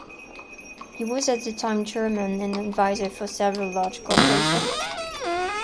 He was at the time chairman and advisor for several large corporations.